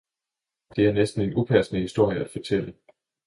det er næsten en upassende historie at fortælle!